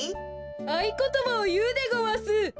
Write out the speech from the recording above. あいことばをいうでごわす。